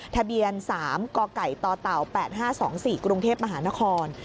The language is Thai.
ทะเบียน๓กกต๘๕๒๔กรุงเทพมหานคร